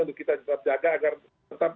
untuk kita juga jaga agar tetap terkendali